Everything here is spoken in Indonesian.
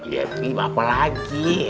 ya ini apa lagi